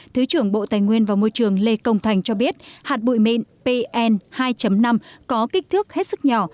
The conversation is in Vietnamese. thứ trưởng bộ tài nguyên và môi trường lê công thành cho biết hạt bụi mịn pn hai năm có kích thước hết sức nhỏ